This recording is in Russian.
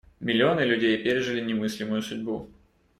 Миллионы людей пережили немыслимую судьбу.